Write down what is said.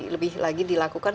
lebih lagi dilakukan